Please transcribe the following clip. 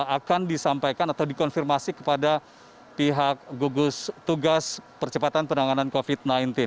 akan disampaikan atau dikonfirmasi kepada pihak gugus tugas percepatan penanganan covid sembilan belas